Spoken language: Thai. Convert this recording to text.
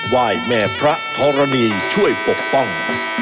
วาดแม่พระทรนีช่วยปกป้อง